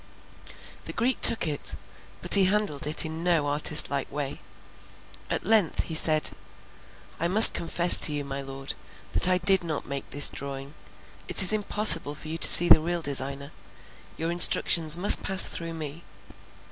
The Greek took it, but he handled it in no artist like way; at length he said: "I must confess to you, my Lord, that I did not make this drawing. It is impossible for you to see the real designer; your instructions must pass through me.